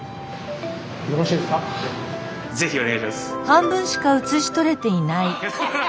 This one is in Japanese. ぜひお願いします。